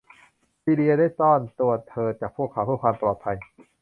ซีเลียได้ซ่อนตัวเธอจากพวกเขาเพื่อความปลอดภัย